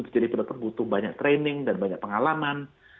jadi peletup butuh banyak training dan banyak pengalaman